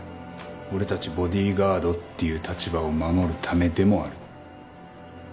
俺たちボディーガードっていう立場を守るためでもある。